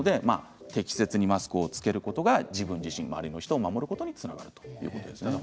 適切に着けることが自分自身周りの人を守ることにつながるということなんです。